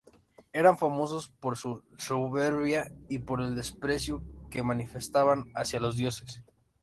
Eran famosos por su soberbia y por el desprecio que manifestaban hacia los dioses.